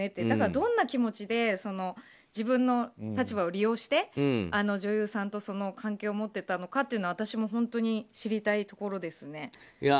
だから、どんな気持ちで自分の立場を利用して女優さんと関係を持っていたのかというのは私も本当に知りたいところですね。